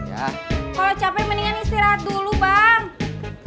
kalau capek mendingan istirahat dulu bang